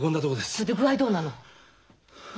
それで具合どうなの？